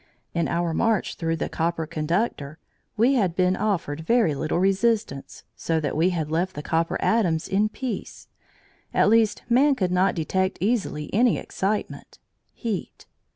In our march through the copper conductor we had been offered very little resistance, so that we had left the copper atoms in peace at least man could not detect easily any excitement (heat).